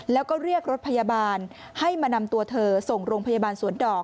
แล้วก็เรียกรถพยาบาลให้มานำตัวเธอส่งโรงพยาบาลสวนดอก